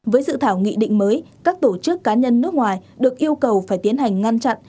với dự thảo nghị định mới các tổ chức cá nhân nước ngoài